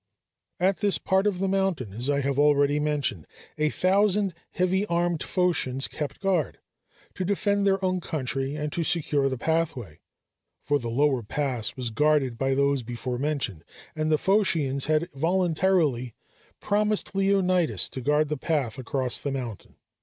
At this part of the mountain, as I have already mentioned, a thousand heavy armed Phocians kept guard, to defend their own country and to secure the pathway for the lower pass was guarded by those before mentioned and the Phocians had voluntarily promised Leonidas to guard the path across the mountain.